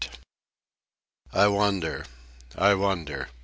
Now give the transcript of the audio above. I wonder. I wonder.